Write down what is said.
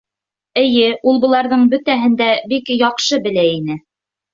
Эйе, ул быларҙың бөтәһен дә бик яҡшы белә ине.